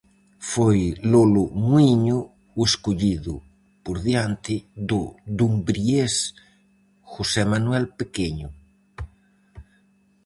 Foi Lolo Muíño o escollido, por diante do dumbriés José Manuel Pequeño.